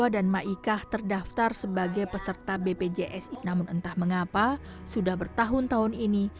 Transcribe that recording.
diapain mak gini